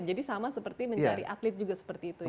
jadi sama seperti mencari atlet juga seperti itu ya